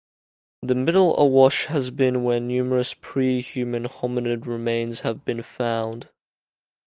The Middle Awash has been where numerous pre-human hominid remains have been found.